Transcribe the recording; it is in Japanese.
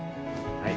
はい。